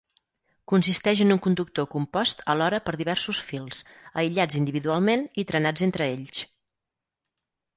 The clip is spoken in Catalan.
Consisteix en un conductor compost alhora per diversos fils, aïllats individualment i trenats entre ells.